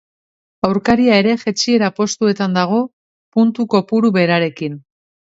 Aurkaria ere jaitsiera postuetan dago, puntu kopuru berarekin.